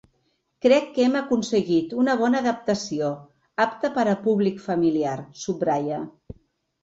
Crec que hem aconseguit una bona adaptació, apta per a públic familiar, subratlla.